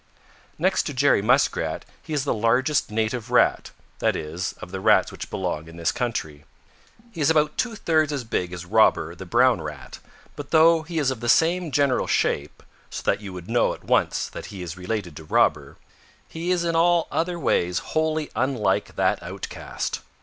"Next to Jerry Muskrat he is the largest native Rat, that is, of the Rats which belong in this country. He is about two thirds as big as Robber the Brown Rat, but though he is of the same general shape, so that you would know at once that he is related to Robber, he is in all other ways wholly unlike that outcast.